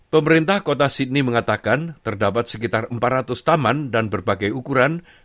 pemerintah kota sydney mengatakan terdapat sekitar empat ratus taman dan berbagai ukuran